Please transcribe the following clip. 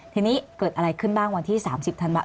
ทีนี้เกิดอะไรขึ้นบ้างวันที่๓๐ธันวาค